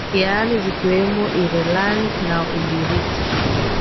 yaani zikiwemo ireland na ugiriki